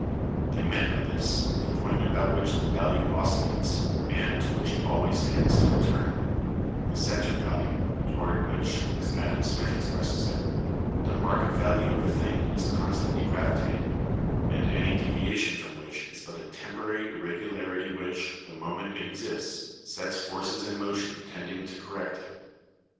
They meant by this, the point about which the value oscillates, and to which it always tends to return; the center value, toward which, as Adam Smith expresses it, the market value of a thing is constantly gravitating; and any deviation from which is but a temporary irregularity which, the moment it exists, sets forces in motion tending to correct it.